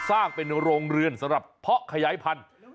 สร้างเป็นโรงเรือนสำหรับเพาะขยายพันธุ์